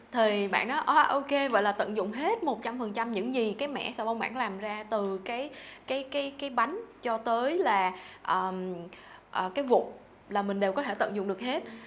thì bạn nói ok vậy là tận dụng hết một trăm linh những gì cái mẻ sà bông bạn làm ra từ cái bánh cho tới là cái vụt là mình đều có thể tận dụng được hết